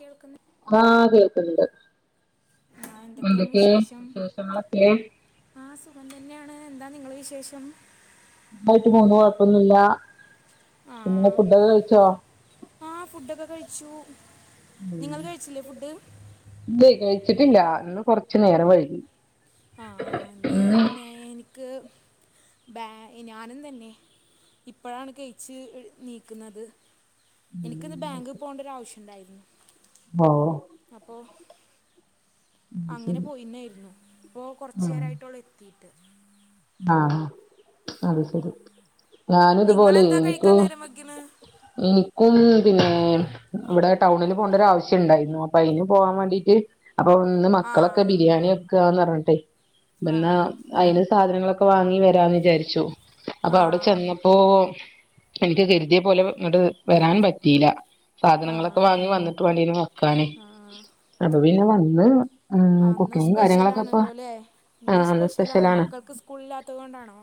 കേൾക്കന്നി ആഹ് കേൾക്കണ്ട് ആ എന്തൊക്കെയാണ് എന്തൊക്കെ വിശേഷങ്ങളൊക്കെ ആഹ് സുഖം തന്നെയാണ് എന്താ നിങ്ങള് വിശേഷം സുഖയിട്ട് പോണ് കൊഴപ്പൊന്നുല്ല പിന്നെ ഫുഡൊക്കെ കഴിച്ചോ ആഹ് ഫുഡൊക്കെ കഴിച്ചു നിങ്ങള് കഴിച്ചില്ലേ ഫുഡ് ഇല്ലയ് കഴിച്ചിട്ടില്ല ഇന്ന് കൊറച്ച് നേരം വൈകി ക്ക് ബാ ഞാനും തന്നെ ഇപ്പഴാണ് കഴിച്ച് നീക്കുന്നത് എൻക്ക്ന്ന് ബാങ്കി പോകേണ്ട ഒരു ആവശ്യംണ്ടായിരുന്നു ഓ അപ്പോ അത് അങ്ങനെ ശരി പോയിന്നായിരുന്നു അപ്പോ ആഹ് കൊറച്ചേരായിട്ടോള്ളു എത്തിട്ട് ആഹ് അത് ശരി ഞാനും ഇതുപോലെ നിങ്ങളെന്താ എനിക്കൂ കഴിക്കാൻ നേരം വെക്കണ് എനിക്കും മ്മ് പിന്നെ ഇവിടെ ടൗണില് പോണ്ട ഒരു ആവശ്യം ഉണ്ടായിരുന്നു അപ്പൊ അതിന് പോകാൻ വേണ്ടീട്ട് അപ്പൊ ഇന്ന് ആ മക്കളൊക്കെ ബിരിയാണി വെക്കുവാന്ന് പറഞ്ഞിട്ട് പിന്ന ആ അയ്ന് സാധനങ്ങളൊക്കെ വാങ്ങി വരാന്ന് വിചാരിച്ചു അപ്പൊ അവിടെ ചെന്ന ആ പ്പൊ എനിക്ക് കരുതിയ പോലെ ഇങ്ങോട്ട് വരാൻ പറ്റിയില്ല. ആ സാധനങ്ങളൊക്കെ വാങ്ങി വന്നിട്ട് വേണ്ടീന് വെക്കാന്. ആ അപ്പൊ പിന്നെ വന്ന് ഉം അന്ന് കുക്കിങ്ങും കാര്യങ്ങളൊക്കെ ഇപ്പൊ സ്പെഷ്യലാണല്ലോല്ലേ ഇന്ന് സ്പെഷ്യലാണ്. മക്കൾക്ക് സ്കൂളില്ലാത്തത് കൊണ്ടാണോ?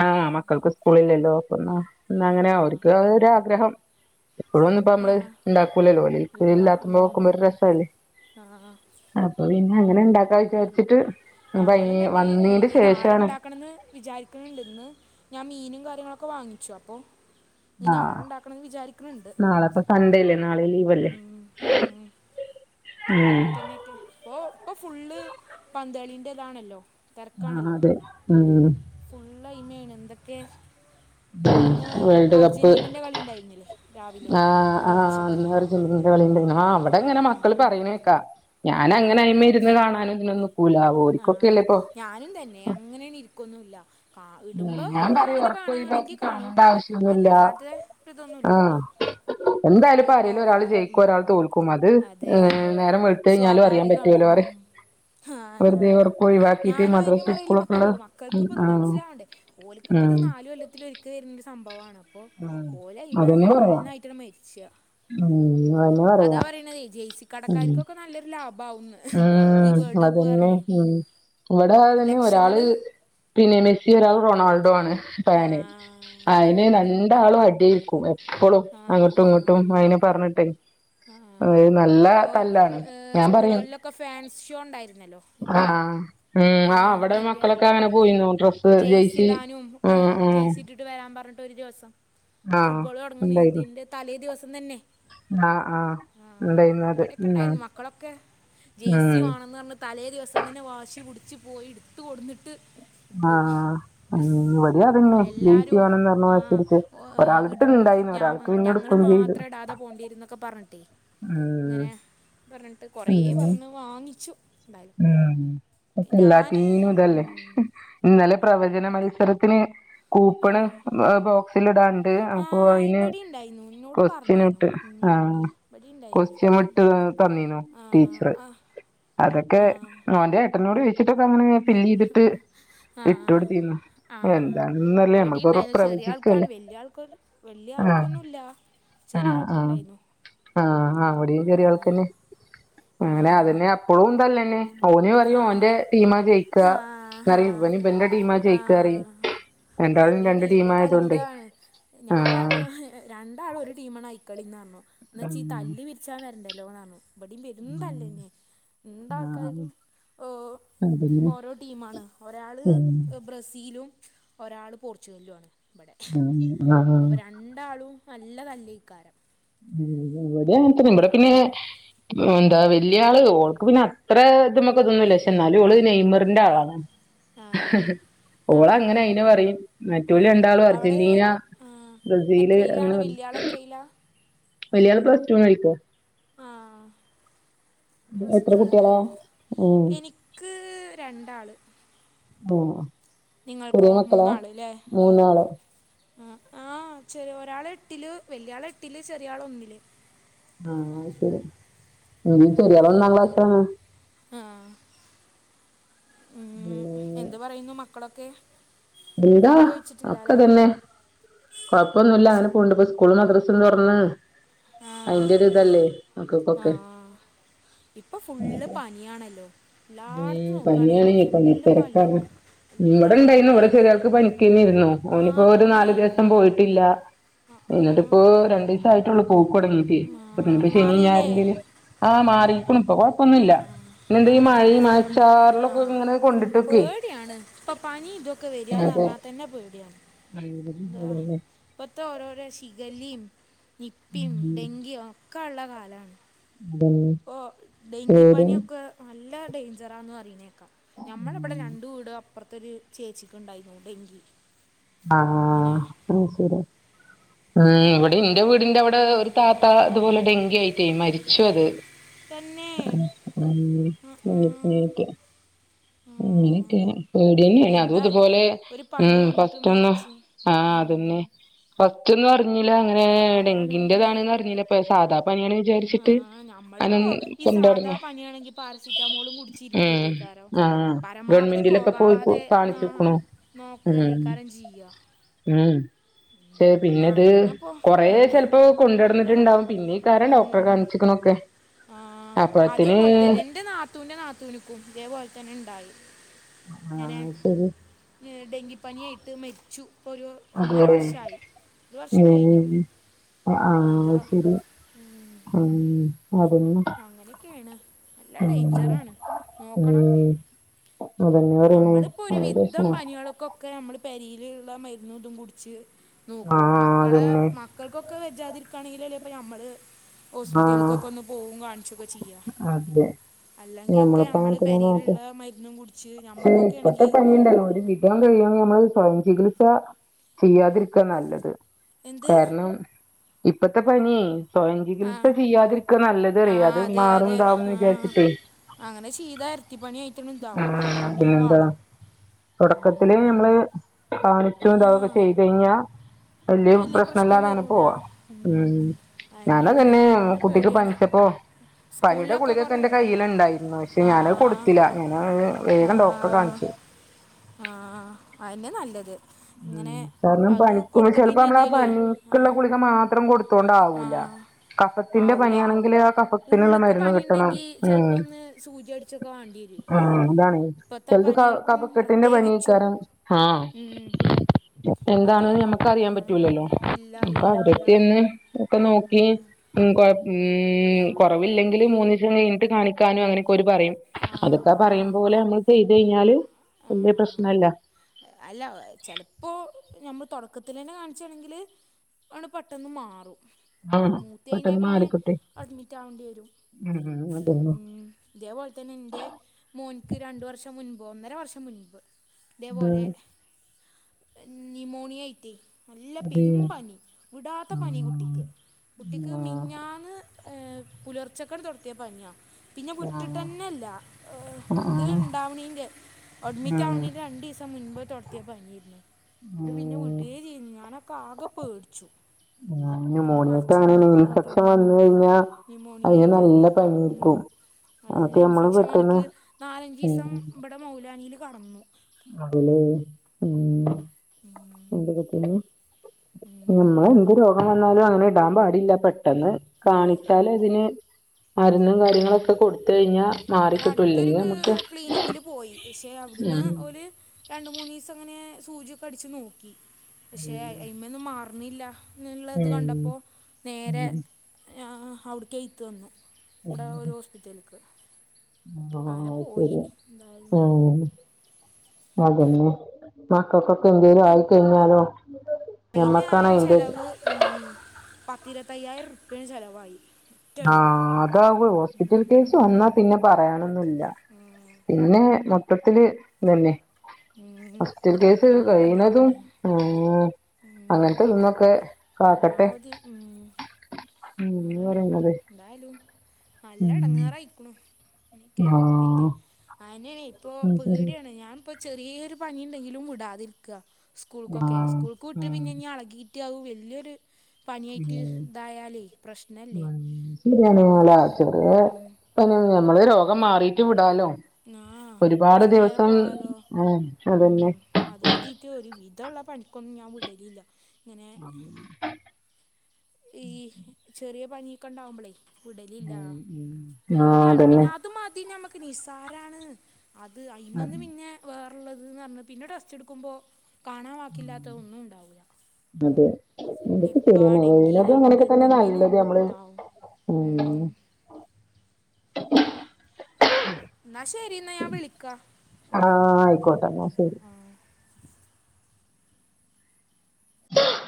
ആഹ് മക്കൾക്ക് സ്കൂളില്ലല്ലോ അപ്പ പിന്നെ എന്ന ആ അങ്ങനെ അവർക്ക് ഒരാഗ്രഹം. എപ്പഴൊന്നും ഇപ്പ ആ നമ്മള് ഉണ്ടാക്കൂലല്ലോ ഓല് ഇല്ല ഇല്ലാത്തുമ്പോ ഉം. നോക്കുമ്പോ ഒരു രസല്ലേ ആ അപ്പൊ പിന്നെ അങ്ങനെ ഉണ്ടാക്കാ ന്ന് വിചാരിച്ചിട്ട് ഇപ്പൊയ്ന്ന് വന്നീന്റെ ശേഷം ക്കണന്ന് വിചാരിക്കുണ്ട് ഇന്ന് ഞാൻ മീനും കാര്യങ്ങളൊക്കെ വാങ്ങിച്ച് അപ്പോ ഇനി നാളെ ആഹ് ഉണ്ടാക്കണംന്ന് വിചാരിക്കണണ്ട്. നാളെപ്പ സൺഡേല്ലേ നാളെ ലീവല്ലേ ഉം ഉം നാളെ ഉം മറ്റന്നെകെ ഇപ്പൊ ഫുള്ള് പന്ത്കളിന്റെ ഇതാണല്ലോ? ആഹ് തിരക്കാണല്ലോ? അതെ ഉം ഫുള്ള് ഐമേണ് എന്തൊക്കെ? ഇന്ന് വേൾഡ് കപ്പ് അർജന്റി നെന്റെ കളി ഉണ്ടായിരുന്നല്ലേ? രാവിലെ ആഹ് ആഹ് പുലർച്ചക്ക്. അന്ന് ആഹ് ഇവിടെ അങ്ങനെ മക്കള് പറയണേ കേക്കാം. ഞാൻ ആ അങ്ങനെ അയ്മേൽ ഇരുന്ന് കാണാനും ഇതിനൊന്നു നിക്കൂല ആ ഓരിക്കൊക്കെ അല്ലേ ഇപ്പൊ ഞാനും തന്നെ അങ്ങനെയങ്ങ് ഇരിക്കൊന്നു ഇല്ല. ആഹ് ഇടുമ്പോ ഞാൻ പറയും അങ്ങനെ ഒറക്കൊഴിവാക്കി കാണയാണെങ്കിൽ കാണും കാണണ്ട ആവശ്യൊന്നുല്ല അല്ലാതെ ഒരു ഇതൊന്നുല്ല. ആഹ് എന്തായാലും നമ്മുക്ക് ഇപ്പ ഇപ്പോ ആരേലും ഒരാൾ ജയിക്കും ഒരാൾ ഉം തോൽക്കും അത് അതെ ഏഹ് നേരം വെളുത്ത് കഴിഞ്ഞാലും അറിയാൻ സ്വാഭാവികമാണ് പറ്റുവല്ലോ പറ ഉം. ആഹ് ഞാ വെറുതെ ഉറക്കം ഒഴിവാക്കിട്ട് ഞാനും അതിനു മദ്രസ പുറകില് സ്കൂളൊക്കെ ഉള്ള മക്കളോടും മക്കൾക്ക് ഉം ഇപ്പ ഒന്നും ആഹ് മനസ്സിലാവണ്ടേ? ഓലക്ക് ഇപ്പ അത് ഉം നാല് കൊല്ലത്തിലൊരിക്കെ വരുന്ന ഒരു സംഭവമാണ് അപ്പോ ഉം ഓല് അയ്മ അതന്നെ പറയാ നന്നായിട്ടാണ് മെ ച്ച ഉം അതന്നെ അതാ പറയാ പറയണതേ ജെഴ്സി ഉം കടക്കാർക്കൊക്കെ നല്ലൊരു ലാഭം ആവുന്ന് ഉം അത് ന്നെ ഉം ഇവിടെ അത് തന്നെ ഒരാള് ലക്ഷ്യങ്ങള് പിന്നെ മെസ്സി ഒരാൾ റൊണാൾഡോ ആണ് ആ ഫാന് അയിന് രണ്ടാളും അടിയിരിക്കും. എപ്പ് ഇപ്പോളും ആ അങ്ങോട്ടും ഇങ്ങോട്ടും അയിനെ പറഞ്ഞിട്ട് ആഹ് അതെ നൽ ഇപ്പോ സ്കൂളുകളിലൊക്കെ ഫാൻസ് ഷോ ഉണ്ടായിരുന്നല്ലോ എല്ലാ ആഹ് ഉം ആഹ് അവിട മക്കളൊക്കെ അങ്ങനെ പോയിനു ഡ്രസ് ജേഴ്സി ഇടാനും ഒക്കെ ജേയ്സി ഇട്ടിട്ട് വരാൻ പറഞ്ഞിട്ട് ഒരു ദിവസം ആഹ് ഫുട്ബോൾ ഉണ്ടായിരുന്നു തുടങ്ങുന്നതിന്റെ തലേ ദിവസം തന്നെ ആഹ് ആഹ് ആഹ് ഉണ്ടായിരുന്നു അത് ഇവിടെക്കെ ഉം ഉണ്ടായിരുന്നു മക്കളൊക്കെ ജേഴ്സി ഉം വേണെന്ന് പറഞ്ഞ് തലേ ദിവസം തന്നെ വാശി പിടിച്ച് പോയി എടുത്ത് കൊടുന്നിട്ട് ട്ടു ആഹ് ഉം ഇവിടേം അതന്നെ ആഹ് ജെയ്സി എല്ലാരും വേണംന്ന് പറഞ്ഞ് ആഹ് വാശിപിടിച്ച് ഒ ഒരാളെടുത്ത് ഇടും ഇണ്ടായിന്നു ഞാൻ ഒരാൾക്ക് പിന്നെ ഞങ്ങൾ എടുക്കും ചെയ്തു മാത്രം ഇടാതെ പോണ്ടി വരുന്നൊക്കെ പറഞ്ഞ് ഉം ഇങ്ങനെ പറഞ്ഞിട്ട് കൊറേ അങ്ങനെ പറഞ്ഞു വാങ്ങിച്ചു എന്തായാലും ഉം ഞാൻ എല്ലാടീനും ഇതല്ലേ ഇന്നലെ പ്രവചന മത്സരത്തിന് ആ കൂപ്പണ് ബോക്സിൽ ഇടാണ്ട് ആ, അപ്പോ അതിന് ഇവിടെ ഉണ്ടായിരുന്നു എന്നോട് ക്വസ്റ്റ്യൻ പറഞ്ഞിരുന്നു ഇട്ട് ഉം. ആഹ് ഇവിടെ ഉണ്ടായിരുന്നു കൊസ്റ്റ്യൻ വിട്ട് തന്നീനു ആ ടീച്ചറ് ആ അതൊക് ക്കെ ആ ഓന്റെ ഏട്ടനോട് ചോദിച്ചിട്ടൊക്കെ അങ്ങനെ ഫില്ല് ചെയ്തിട്ട് ഇട്ട് കൊടുത്തീന്നു ആഹ് എന്താണെന്നല്ലേ നമ്മളിപ്പോ ഇവിടെയുണ്ടായിരുന്നു ചെറിയ ആൾക്കാണ് പ്രവചിക്കല്ലേ വലിയ ആൾക്ക വലിയ ആഹ് ആൾക്കൊന്നും ഇല്ല ചെറിയ ആഹ് ആഹ് ആൾക്കുണ്ടായിന്നു ആഹ് ഇവിടെയും ചെറിയി ആൾക്ക് തന്നെ അങ്ങനെ ആ അതന്നെ അപ്പളും തല്ല്തന്നെ ഓനു ആ പറയും ഓന്റെ ടീം ജയിക്ക ആ ആ പറയും ഇവന് ഇവന്റെ ആ ടീംമാജയിക്ക പറയും രണ്ടാളും അതന്നെയാണ് രണ്ട് ടീം ഇപ്പം ആയതോണ്ടേ തല്ലുകൂടാണ് ഞാൻ ആഹ് പറഞ്ഞു രണ്ടാളും ഒരു ടീമാണ് ഐക്കളിന്ന് പറഞ്ഞു എന്ന് വെച്ചൽ ഈ ആഹ് തല്ല് വിരിച്ചാന്ന് വരണ്ടല്ലോ എന്ന് പറഞ്ഞു. ഇവിടെയും പെരും തല്ല് തന്നെ രണ്ട് ആഹ് ആൾക്കാര്ക്കും ഓഹ് അതന്നെ ഓരോ ടീമാണ് ഒരാള് ഉം ബ്രസീലും ഒരാള് പോർച്ചുഗലുമാണ് ഇവിടെ ഉം ആഹ് രണ്ടാളുംളും നല്ല തല്ലീ [unintelligible] ഉം ഇവിടെഅങ്ങനെ തന്നെ നമ്മടെ പിന്നെ എന്താ വലിയ ആള് ഓൾക്ക് പിന്നെ അത്ര ഇതു മക്ക് ഇതൊന്നുമില്ലപക്ഷേ എന്നാലും ഓള് നെയ്മറിന്റെ ആളാണ് ഉം ആ ഓള് ആ അങ്ങനെ അയിനെ പറയും ആ മറ്റോര് രണ്ടാളും അവൾ അർജന്റീന ബ്രസീല് അങ്ങനെ പറഞ്ഞ് ഇല്ല വലിയാള് പ്ലസ് ടുന് ആയിപ്പോ ആഹ് പ്ലസ് എത്ര ടൂ നല്ലേ കുട്ടികളാ ഉം എനിക്ക് രണ്ടാള് ഓഹ് നിങ്ങൾക്കോ മൂന്നാളില്ലേ ഉം മൂന്നാള് ആഹ് ആഹ് ചെറ ഒരാള് എട്ടില് വലിയാള് എട്ടില് ചെറിയ ആള് ഒന്നില് ആഹ് അത് ശരി [unintelligible] ഒന്നാംക്ലാസ് ആണ് ആഹ് ഉം ഉം. എന്ത് പറയുന്നു മക്കളൊക്കെ ഇവിട ഫുഡ് കഴിച്ചിട്ടില്ല ഒക്ക അല്ലേ ഇതന്നെ കുഴപ്പൊന്നുമില്ല അങ്ങനെ പോകണ്ട് ഇപ്പ സ്കൂള് മദ്രസയും തുറന്ന് അയിന്റെ ഒരു ഇതല്ലേ മക്കക്കൊക്കെ ആഹ് ഇപ്പ ഫുള്ള് പനിയാണല്ലോ ഉം എല്ലായിടത്തും നോക്കുകയാണെങ്കിലും പനിയാണ് പനി ഫുള്ള് തിരക്കാണ് പനിയാണ് നല്ല ഇവിടെ ഇണ്ടായിരുന്നു ഇവിടെ പേടിയാണ് ചെറിയാൾക്ക് പനിക്കു തന്നെയിരുന്നു ആ ഓളിപ്പോ ഒരു തന്നെ നാലു ദിവസം പോയിട്ടില്ല ആ, ആ, എന്നിട്ട് ഇപ്പോ രണ്ടു ദിവസം ആയിട്ടുള്ളൂ പോക്കു തുടങ്ങീട്ടേ ആ, അപ്പ [unintelligible] ശനി മാറിയില്ലേ ഞായറിന്റേത് ആഹ് മാറിക്കുണു ഇപ്പൊ ആ കൊഴപ്പൊന്നുമില്ല ഇന്നെന്ത ഈ മഴ ആഹ് പേടിയാണ് ഇപ്പൊ പനി ഇതും ക്ക വരിയാന്ന് അതെ പറഞ്ഞാൽ തന്നെ പേടിയാണ് എന്തുവാ അതന്നെ ഇപ്പത്തെ ഓരോരോ ശിഗലിം നിപ്പി ഡെങ്കിയും ഒക്കെ ഉള്ള കാലമാണ് ഉം ഓ ഡെങ്കി പനിയൊക്കെ നല്ല ഡേഞ്ചറാന്ന് പറയുന്നെക്കാ ഞമ്മളവിടെ രണ്ട് വീട അപ്പുറത്തൊരു ചേച്ചിക്ക് ഉണ്ടായിരുന്നു ഡെങ്കി ആ അങ്ങനെ ശരി എ അവിടെ ഇവിടെ ആ, എന്റെ വീടിന്റെ അവിടെ ഒരു ത ത്താ അതുപോലെ ഡെങ്കി ആയിട്ടേ മരിച്ചു അത് തന്നെ മ് ആ, ആ. [unintelligible] ഉം. അനൊക്കെ പേടി തന്നെയാണ് അതും എന്താലേ ഇതുപോലെ ഒരു മ് പനി വന്നിട്ട് ഫസ്റ്റ് ഒന്ന് മരിച്ച് ആഹ ഉം. അതന്നെ ഫസ്റ്റ്ന്ന് അറഞ്ഞില്ല അങ്ങനെ അതാണ് ഡെങ്കിന്റെതാണന്ന് ഉം. അറഞ്ഞില്ലപ്പ സാധാ പണിയാണ് ആ വിചാരിച്ചിട്ട് അനൻ നമ്മളിപ്പോ ഈ കൊണ്ടാടന്ന സാധാ പനിയാണെങ്കിൽ പാരസിറ്റാമോളും കുടിച്ചിരിക്കല്ലേ ഉം കാരം ആ പരമാവധി ഗവണ്മെന്റിലൊക്കെ പോയി പോകാതെ നാ- കാണിച്ചുക്കണു നോക്കല്ലേ ഉം കാരം ചെയ്യുക ഉം ശേ ആ പിന്നെത് പിന്നെ ഇപ്പോ കൊറേ ഉം. ചിലപ്പോ നല്ല കൊണ്ടിടന്നിട്ടുണ്ടാവും പിന്നെ കാറോ ഡോക്ടറെ ഉം. കാണിച്ചിക്കണൊക്കെ ആ അപ്പഴത്തിന് അതേപോലത്തെന്നെ ന്റെ നാ നാത്തൂന്റെ നാത്തൂനക്കും ഇതേപോലെ തന്നെ ഉണ്ടായി ഇങ്ങനെ ആഹ് ശരി ഡെങ്കിപ്പനിയായിട്ട് മരിച്ചു. ഇപ്പോൾ ഒരു അതെ ഒന്നര വർഷമായി ഒരു വർഷം കഴിഞ്ഞു ഏഹ് ആഹ് എന്താ ശരി ഉം. ഉം അതന്നെ അങ്ങനെയൊക്കെയാണ് നല്ല ഉം ഡയിൻജർ ആണ് നോക്കണം ഉം അതന്നെ പറയണേ നമ്മളിപ്പോ ഒരു അത് വിധം പ്രശ്നാ പനികളൊക്കൊ ക്കെ നമ്മള് പേരില്ള്ള മരുന്നതും കുടിച്ച് നോക്കും ആഹ് മക്കളെ അതന്നെ മ ക്കൾക്കൊക്കെ വജാതിരിക്കാനങ്കിൽ എല്ലേ ഇപ്പോ നമ്മള് ആഹ് ഹോസ്പിറ്റലക്കൊക്കെ ഒന്ന് പോവു കാണിച്ചൊക്കെ ചിയ്യ അതെ അല്ലെങ്കിക്കെ നമ്മള് പെരില്ള്ള മരുന്നും കുട് ശേ ഇപ്പത്തെ പനിയുണ്ടല്ലോ ഒരുവിധം നമ്മള് സ്വയം ചികിത്സ ചയ്യാതിരിക്ക നല്ലത് എന്ത് കാരണം ഇപ്പത്തെ പനി സ്വയംചി കിത്സ ആ ചെയ്യാതിരിക്കാ ആ നല്ലതറിയ അത് അതെ അതെ മാറുംണ്ടാവുംന്ന് ആ വിചാരിച്ചിട്ടേ അങ്ങനെ ചീത എരട്ടിപ്പണിയയിറ്റാ ആ ഇതാവും പണി പിന്നെന്താ വാളും തുടക്കത്തില് നമ്മള് കാണിച്ചു ആ ഇതൊക്കെ ചെയ് കഴിഞ്ഞാ വല്യ വലിയ പ്രശ്നം പ്രശ്നല്ലാത അങ്ങനെ വരൂല പോവാ ഉം ഞാനാ അതന്നെയാണ് തന്നെ നല്ല കുട്ടിക്ക് പേടിയാണ് പങ്ങിച്ചപ്പോ പനിയുടെ സ്കൂളിലൊക്കെ കുളികൊക്കെ കുറേ എന്റെ കയ്ൽണ്ടായിരുന്നു പക്ഷെ ആ ഞാനത് കൊടുത്തില. ഞാന് വേഗം ഡോക്ടറെ കാണിച്ചു ആഹ്‌ അന്നെ നല്ലത് ഉം ഇങ്ങനെ കാരണം അത് പണിക്കുവു കൊടുത്തിട്ട് ചലെ അപ്പ ഇനി നമ്മള് എന്തേലുവേ ആ പനിക്കുള്ള ഗളിക മാത്രം ആ കൊടുതോണ്ടാവൂല കഫത്തിന്റെ ആവൂല പനിയാണെങ്കില് ആ കഫത്തിനുള്ള ഉള്ളിക്ക് മരുന്ന് കിട്ടണം പനിയുണ്ടെങ്കിൽ ഉം ചിലപ്പോൾ ഒന്ന് സൂചി അടിച്ചൊക്കെ വേണ്ടി വരും ആ അതാണ് ഇപ്പോഴത്തെ ചിലത് പനികൾക്കും കഫക്കെട്ടിന്റെ പ്രത്യേകിച്ചും പനിയാക്കാരം ആഹ്‌. അതെ എന്താണെന്ന് ഞമ്മക്ക് അറിയാൻ ആ പറ്റൂലല്ലോ ഇല്ല അപ്പൊ അറിയാൻ പറ്റില്ല അവിടത്തെന്ന് ഒക്കെ നോക്കി മ് ആ കൊറവില്ലെങ്കിൽ മൂന്നു ദിവസം കഴിഞ്ഞിട്ട് കാണി ക്കാനും അങ്ങനെയൊക്കെ ഒരു പറയും ആ അതൊക്കെ ആ പറയും പോലെ നമ്മള് ചെയ്ത് കഴിഞ്ഞാല് ആ വല്യ പ്രശ്നല്ല അല്ല ചെലപ്പോ നമ്മ തുടക്കത്തി തന്നെ കാണിച്ചാണെങ്കില് ആണ് പെട്ടെന്ന് മാറും ആഹ് മൂത്തയിഞ്ഞാ പെട്ടെന്ന് പിന്നെ മാറിക്കിട്ടും അഡ്മിറ്റ് ആവേണ്ടി വരും ഉം ഉം അതന്നെ ഉം ഇതേപോലെ തന്നെ ഇന്റെ മോൻക്ക് രണ്ടു വർഷം മുൻപ് ഒന്നര വർഷം മുൻപ് ഉം ത ന്യൂമോണിയയിറ്റ് നല്ല അതെ പെരും പനി വിടാത്ത ആഹ് പനി കുട്ടിക്ക് കുട്ടിക്ക് മിഞ്ഞാന്ന് പുലർച്ചക്കണ്ട് തൊട്ത്തിയ പനിയാ പിന്നെ ആഹ് വിട്ട്ട്ടന്നെല്ല ആഹ് ആഹ് ഇത് ആഹ് ഇണ്ടാവ്ണീന്റെ അഡ്മിറ്റ് ഉം ആവ്ന്നീന്റെ രണ്ടീസം മുൻപ് തൊട്ത്തിയ പനിയേര്ന്നു. അത് പിന്നെ ഉം വിടേ ചെയ്തീലാ ഞാനപ് ക്കാകെ പേട്ച്ചു. ആഹ് കുട്ടിന്റെ ന്യൂമോണിയക്ക് പറ്ച്ലും അങ്ങനെയാണ് ഇതൊക്കെ കടും ഇൻഫെക്ഷൻ വന്ന് [unintelligible] കഴിഞ്ഞാ ന്യൂമോണിയ അതിന് ആയിട്ട് നല്ല ഉം പനിയായിരിക്കും നല്ല അതൊക്കെ നമ്മള് ഇൻഫെക്ഷൻ പെട്ടെന്ന് വന്നിട്ട് നാലഞ്ചീസം ഇബെടെ മൗലാനിയില് കടന്നു ആണ്ലെ ഉം എന്ത് [unintelligible] ഉം നമ്മള് എന്ത് രോഗം വന്നാലു അങ്ങനെ ഇടാൻ പാടില്ല പെട്ടെന്ന് അതെ കാണിച്ചാൽ അതിന് മരുന്നും ഉം കാര്യങ്ങളൊക്കെ കൊടുത്ത് കഴിഞ്ഞാ ഇവിടെ മാറിക്കിട്ടു അടുത്തൊരു ഇല്ലെങ്കിൽ നമക്ക് ക്ലിനിക്കിൽ പോയി ക്ഷെ അവിട്ന്ന് ഓല് രണ്ട് മൂന്നീസം ഇങ്ങനെ സൂചിയൊക്കെ അടിച്ചു നോക്കി. പക്ഷെ അതിമ ഒന്നും മാറുന്നില്ല എന്നുള്ളത് ഉം കണ്ടപ്പോ നേരെ ഉം അവിട്ക്കെയ്ത് തന്നു ഇബ്ടെ ഉം ഒരു ഹോസ്പിറ്റല്ക്ക് ആഹ് അത് ശര്യ ഉം അതന്നെ മക്കക്കൊക്കെ എന്തേലും ആയിക്കഴിഞ്ഞാലോ അതിന് ഞമ്മക്കാണ് ആയ അയിന്റെ ഇത് ചെലവ് പത്ത് ഇരുപത്തയ്യായിരം ഉരുപ്യേന് ചെലവായി ആഹ് അതാവൂ ഹോസ്പിറ്റൽ കേസ് വന്നാ പിന്നെ പറയാനൊന്നുല്ല പിന്നെ മൊത്തത്തില് ഇന്നെന്നെ ഉം, ഹോസ്പിറ്റൽ കേസ് നല്ല കഴിണതും ഇടങ്ങാറാണ് ഉം ഉം, അങ്ങൻത്തെ ഇതിന്നൊക്കെ കാക്കട്ടെ പരമാവധി ഉം, ഉം ആണ് പറയുന്നത് എന്തായാലും നല്ല ഉം എടങ്ങേറായിക്ക്ണു ഇൻക്കെ ഇറ്റ് ആഹ് അനൊഹ് ഇപ്പൊ അത് ശരി പീട്യേണ് ഞാൻപ്പ ചെറ്യേ ഒരു പനിയുണ്ടെങ്കിലും വിടാതിരിക്ക. സ്കൂൾക്കൊക്കെ ആഹ് സ്കൂൾക്ക് വിട്ട് പിന്നെ ആഹ് ഇഞ്ഞ് എളകി കിറ്റയാകും വല്യൊരു പനിയായിട്ട് ഇതായാലേ പ്രശ്നമല്ലേ വഞ്ചി [unintelligible] ചെറ്യേ ഇപ്പ [unintelligible] നമ്മള് രോഗം മാറീറ്റ് വിടാലോ ന്നാഹ് ഒരുപാട് ഇന്നേരം ദിവസം പോവാലോ ആഹ് അതന്നെ ഉം അത് എരുതീട്ട് ഒരു വിധ ഉള്ള പണിക്കൊന്നും ഞാൻ വിടലില്ല ഇങ്ങനെ ഉം ഈ ചെറിയ പനിയൊക്കെ ഇണ്ടാവുമ്പളേ വിടലില്ല. ഉം ഉം ആഹ് പേട്യാണ് അതന്നെ പിന്നെ ആ ഇത് മതി ഞമക്ക് നിസാരാണ്. അത് അയിമെന്ന് അതെ പിന്നെ വേറെ ഇള്ളത് ന്ന് പറ്ഞ് പിന്നെ ടെസ്റ്റ് ഇടുക്കുമ്പോ കാണാൻ വാക്കില്ലാത്ത ഒന്നും ഉണ്ടാവൂല അതെ ഇന്റെട്ത്ത് ചെറ്യേ മോളൊ [unintelligible] ഡെങ്കിന്ന് ഇല്ലെതും പറഞ്ഞിട്ട് ഇങ്ങനെയൊക്കെ തന്നെ എന്തെങ്കിലും നല്ലത് നമ്മള് ഇതാവും ഉം [inaudible] എന്നാ ശരി എന്നാ ഞാൻ വിളിക്കാ ട്ടോ ആഹ് ആയിക്കോട്ടെ ഇന്നാ ശരി